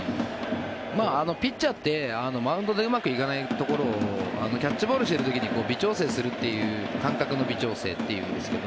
ピッチャーってマウンドでうまくいかないところをキャッチボールしている時に微調整するという感覚の微調整というんですけど。